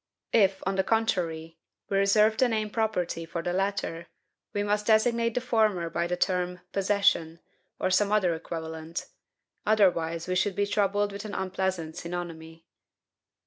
If, on the contrary, we reserve the name "property" for the latter, we must designate the former by the term POSSESSION, or some other equivalent; otherwise we should be troubled with an unpleasant synonymy.